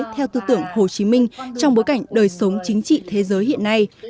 theo tư tưởng hồ chí minh trong bối cảnh đời sống chính trị thế giới hiện nay